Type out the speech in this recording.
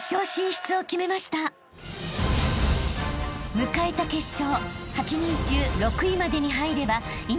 ［迎えた決勝］